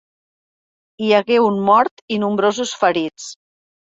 Hi hagué un mort i nombrosos ferits.